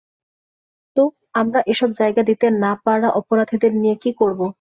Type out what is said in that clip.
তো, আমরা এসব জায়গা দিতে না পারা অপরাধীদের নিয়ে কী করব?